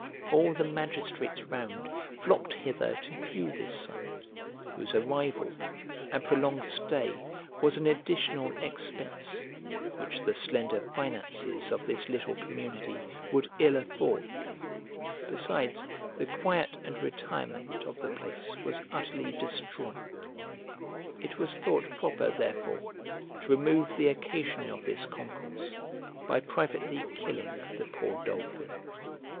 All the magistrates round flocked hither to view this sight, whose arrival, and prolonged stay, was an additional expense, which the slender finances of this little community would ill afford; besides, the quiet and retirement of the place was utterly destroyed. It was thought proper, therefore, to remove the occasion of this concourse, by privately killing the poor dolphin.